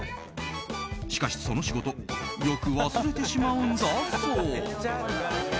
しかし、その仕事よく忘れてしまうんだそう。